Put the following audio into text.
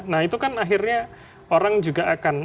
nah itu kan akhirnya orang juga akan